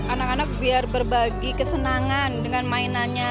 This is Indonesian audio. anak anak biar berbagi kesenangan dengan mainannya